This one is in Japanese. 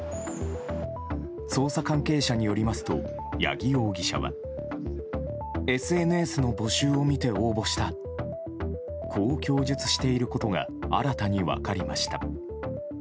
捜査関係者によりますと八木容疑者は。こう供述していることが新たに分かりました。